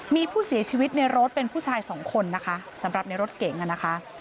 มีผู้เสียชีวิตในรถเป็นผู้ชายสองคนนะคะสำหรับในรถเก๋งนะคะ